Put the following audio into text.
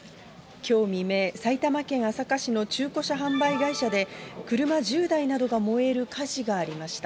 きょう未明、埼玉県朝霞市の中古車販売会社で、車１０台などが燃える火事がありました。